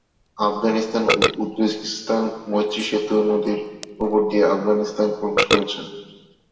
আফগানিস্তান-উজবেকিস্তান মৈত্রী সেতু নদীর উপর দিয়ে আফগানিস্তানে প্রবেশ করেছে।